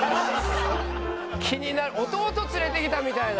気になる弟連れてきたみたいな。